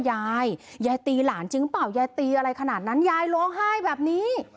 ยายยายตีหลานจริงเปล่ายายตีอะไรขนาดนั้นยายร้องไห้แบบนี้